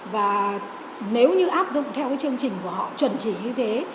và nếu như áp dụng theo cái chương trình của họ chuẩn chỉ như thế